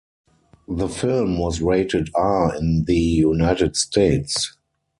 The film was rated R in the United States.